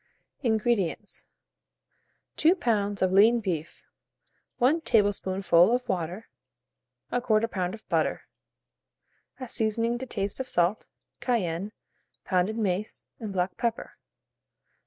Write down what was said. INGREDIENTS. 2 lbs. of lean beef, 1 tablespoonful of water, 1/4 lb. of butter, a seasoning to taste of salt, cayenne, pounded mace, and black pepper.